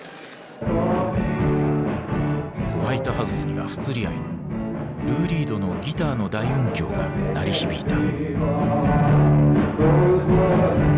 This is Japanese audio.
ホワイトハウスには不釣り合いのルー・リードのギターの大音響が鳴り響いた。